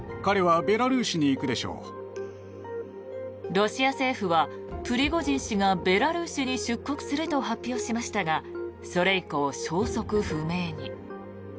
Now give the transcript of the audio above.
ロシア政府はプリゴジン氏がベラルーシに出国すると発表しましたがそれ以降、消息不明に。